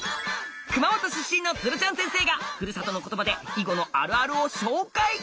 熊本出身の鶴ちゃん先生がふるさとの言葉で囲碁のあるあるを紹介！